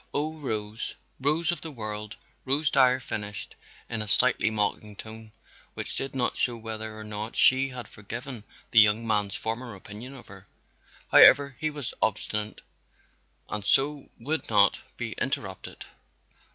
Oh, Rose " "Rose of the World," Rose Dyer finished in a slightly mocking tone, which did not show whether or not she had forgiven the young man's former opinion of her. However, he was obstinate and so would not be interrupted.